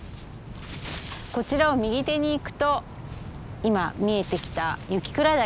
こちらを右手に行くと今見えてきた雪倉岳。